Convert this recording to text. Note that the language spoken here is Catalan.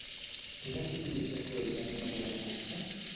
Quina civilització el tenia molt en compte?